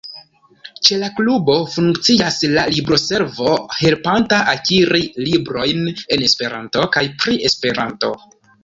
Ĉe la klubo funkcias la libroservo, helpanta akiri librojn en Esperanto kaj pri Esperanto.